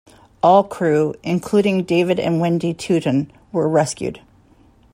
All crew, including David and Wendy Touton, were rescued.